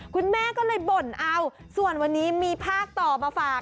คุณแม่ก็เลยบ่นเอาส่วนวันนี้มีภาคต่อมาฝาก